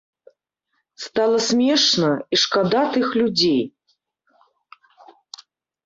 Стала смешна і шкада тых людзей.